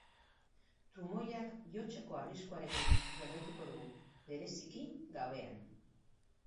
Trumoiak jotzeko arriskuarekin jarraituko dugu, bereziki gabean.